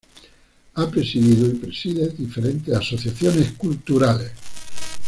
Ha presidido y preside diferentes asociaciones culturales.